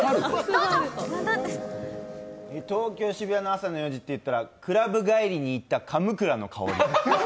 東京渋谷の朝の４時といったらクラブ帰りにいった神座の香り。